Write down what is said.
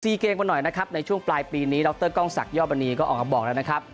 เกมกันหน่อยนะครับในช่วงปลายปีนี้ดรกล้องศักดิยอดมณีก็ออกมาบอกแล้วนะครับ